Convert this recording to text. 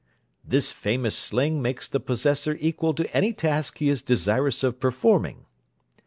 This famous sling makes the possessor equal to any task he is desirous of performing.